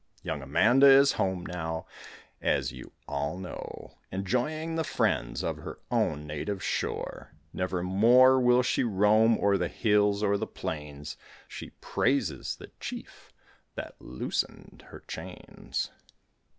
Young Amanda is home now, As you all know, Enjoying the friends Of her own native shore; Nevermore will she roam O'er the hills or the plains; She praises the chief That loosened her chains.